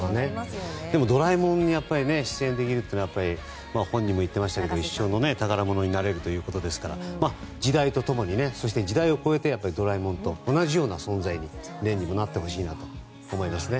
でも、「ドラえもん」に出演できるというのは本人も言っていましたが一生の宝物になるということですから時代と共に時代を超えてドラえもんと同じような存在に廉にもなってほしいと思いますね。